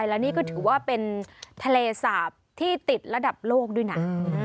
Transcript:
แล้วนี่ก็ถือว่าเป็นทะเลสาปที่ติดระดับโลกด้วยนะ